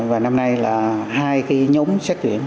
và năm nay là hai cái nhóm sách tuyển